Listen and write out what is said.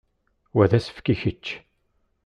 Wa d asefk i kečč.